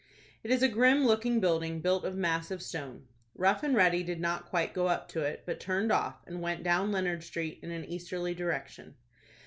It is a grim looking building, built of massive stone. Rough and Ready did not quite go up to it, but turned off, and went down Leonard Street in an easterly direction.